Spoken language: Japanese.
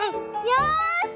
よし！